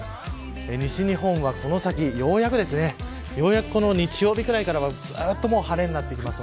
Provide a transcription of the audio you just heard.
西日本はこの先ようやく日曜日くらいからずっと晴れになってきます。